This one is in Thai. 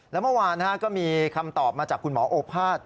แล้วเมื่อวานก็มีคำตอบมาจากคุณหมอโอภาษย์